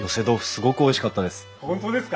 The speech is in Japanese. すごくおいしかったです。